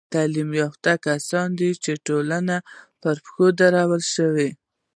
تعلیم یافته کسان دي، چي ټولنه پر پښو درولاى سي.